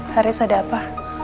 haris ada apa